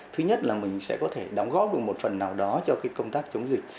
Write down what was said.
thứ nhất là mình sẽ có thể đóng góp được một phần nào đó cho công tác chống dịch